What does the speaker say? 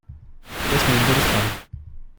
Jasmin, du bist dran.